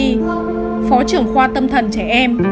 tiến sĩ victor fonari phó trưởng khoa tâm thần trẻ em